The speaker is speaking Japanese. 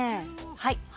はい。